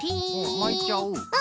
まいちゃう？